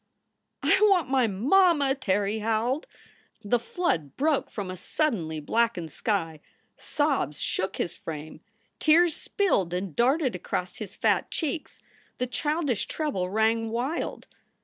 " "I want my mamma!" Terry howled. The flood broke from a suddenly blackened sky. Sobs shook his frame. Tears spilled and darted across his fat cheeks. The childish treble rang wild.